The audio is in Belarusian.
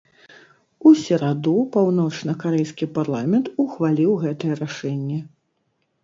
У сераду, паўночнакарэйскі парламент ухваліў гэтае рашэнне.